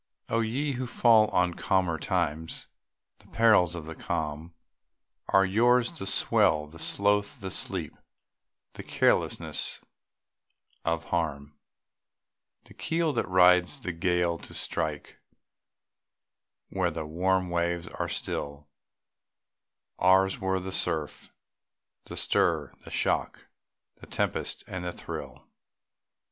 O ye who fall on calmer times! The perils of the calm Are yours the swell, the sloth, the sleep, The carelessness of harm, The keel that rides the gale, to strike Where the warm waves are still; Ours were the surf, the stir, the shock, The tempest and the thrill.